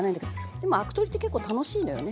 でもアク取りって結構楽しいのよね。